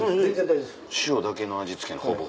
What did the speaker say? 塩だけの味付けほぼほぼ。